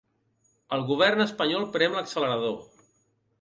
El govern espanyol prem l’accelerador.